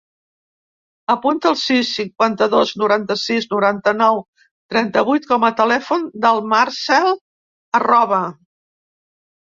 Apunta el sis, cinquanta-dos, noranta-sis, noranta-nou, trenta-vuit com a telèfon del Marcèl Arroba.